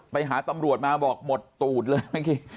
ไปหาตำรวจมาบอกหมดตูดเลย